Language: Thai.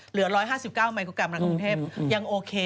เหลือ๑๕๙มิโครกรัมในกรุงเทพยังโอเค